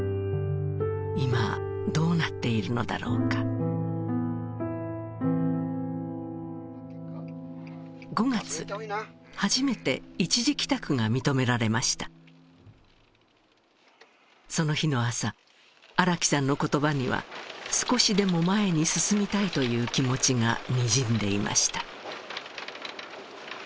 今どうなっているのだろうか初めて一時帰宅が認められましたその日の朝荒木さんの言葉には少しでも前に進みたいという気持ちがにじんでいました